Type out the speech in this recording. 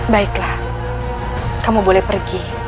baiklah kamu boleh pergi